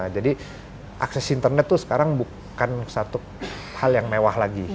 jadi akses internet tuh sekarang bukan satu hal yang mewah lagi